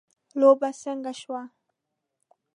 لوبه څنګه شوه .